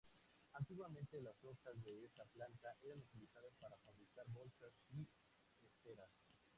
Antiguamente las hojas de esta planta eran utilizadas para fabricar bolsas y esteras.